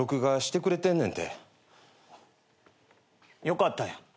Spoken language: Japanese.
よかったやん。